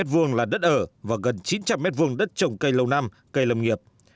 trong đó có hai trăm linh m hai là đất ở và gần chín trăm linh m hai đất trồng cây lâu năm cây lâm nghiệp